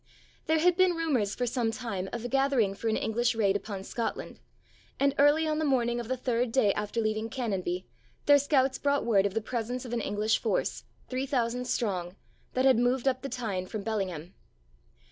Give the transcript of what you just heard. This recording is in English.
There had been rumours for some time of a gathering for an English raid upon Scotland and early on the morning of the third day after leaving Canonbie, their scouts brought word of the presence of an English force, three thousand strong, that had moved up the Tyne from Bellingham.